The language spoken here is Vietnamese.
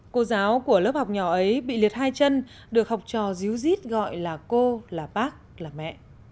cô giáo của lớp học nhỏ ấy bị liệt hai chân được học trò díu dít gọi là cô là bác là mẹ